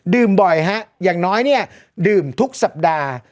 ดื่มบ่อยครับอย่างน้อยดื่มทุกสัปดาห์